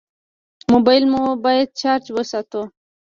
موبایل مو باید چارج وساتو.